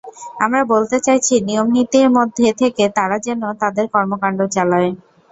আমরা বলতে চাইছি, নিয়মনীতি মধ্যে থেকে তারা যেন তাদের কর্মকাণ্ড চালায়।